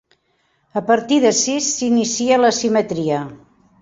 A partir d'ací s'inicia la simetria.